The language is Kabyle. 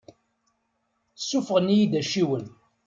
Ssuffɣen-iyi-d acciwen.